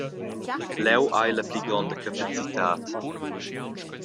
Leu ha ei la pli gronda capacitad.